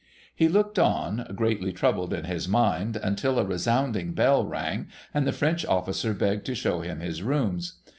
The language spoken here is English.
He looked on, greatly troubled in his mind, until a resounding bell rang, and the French officer begged to show him his rooms.